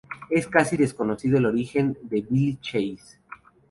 Es casi desconocido el origen de Belle Chasse.